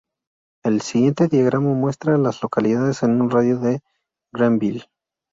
El siguiente diagrama muestra a las localidades en un radio de de Greenville.